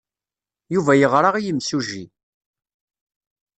Yuba yeɣra i yimsujji.